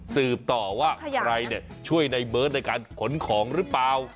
สืบต่อว่าใครช่วยในเบิร์ตในการขนของหรือเปล่า